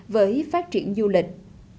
với phát triển du lịch